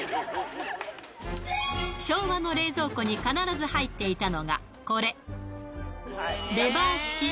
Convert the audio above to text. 昭和の冷蔵庫に必ず入っていたのが、これ。